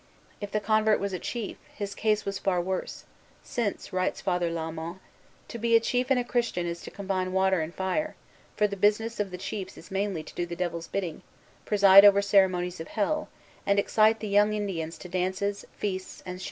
If the convert was a chief, his case was far worse; since, writes Father Lalemant, "to be a chief and a Christian is to combine water and fire; for the business of the chiefs is mainly to do the Devil's bidding, preside over ceremonies of hell, and excite the young Indians to dances, feasts, and shameless indecencies."